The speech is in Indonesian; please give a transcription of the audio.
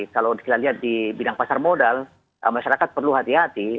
kalau kita lihat di bidang pasar modal masyarakat perlu hati hati